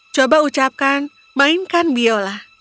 coba ucapkan mainkan biola